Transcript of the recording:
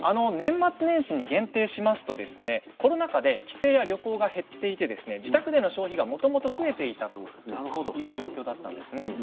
年末年始に限定しますとコロナ禍で帰省や旅行が減っていて自宅での消費がもともと増えていたという状況だったんですね。